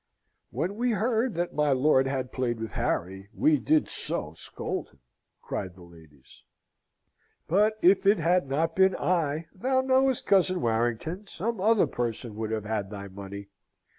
"When we heard that my lord had played with Harry, we did so scold him," cried the ladies. "But if it had not been I, thou knowest, cousin Warrington, some other person would have had thy money.